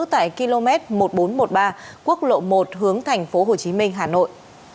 tại km một nghìn bốn trăm một mươi ba quốc lộ một hướng tp hcm hà nội